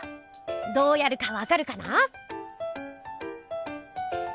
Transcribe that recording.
どうやるかわかるかな？